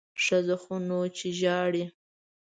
ښځه خو نه یې چې ژاړې!